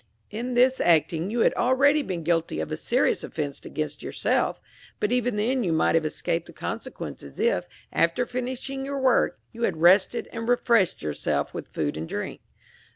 In thus acting you had already been guilty of a serious offense against yourself; but even then you might have escaped the consequences if, after finishing your work, you had rested and refreshed yourself with food and drink.